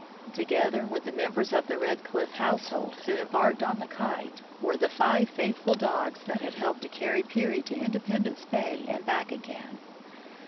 Together with the members of the Red Cliff household who embarked on the Kite were the five faithful dogs that had helped to carry Peary to Independence bay and back again.